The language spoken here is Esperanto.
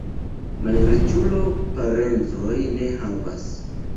Malriĉulo parencojn ne havas.